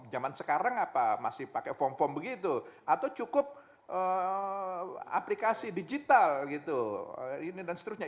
zaman sekarang apa masih pakai form form begitu atau cukup aplikasi digital gitu ini dan seterusnya